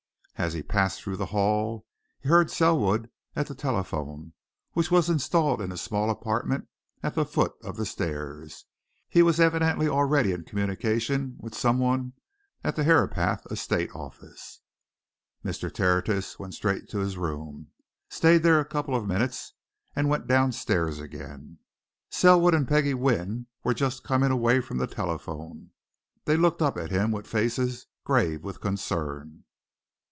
As he passed through the hall he heard Selwood at the telephone, which was installed in a small apartment at the foot of the stairs he was evidently already in communication with some one at the Herapath Estate Office. Mr. Tertius went straight to his room, stayed there a couple of minutes, and went downstairs again. Selwood and Peggie Wynne were just coming away from the telephone; they looked up at him with faces grave with concern.